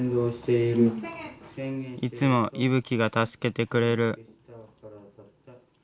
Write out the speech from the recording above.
いつもいぶきが助けてくれる。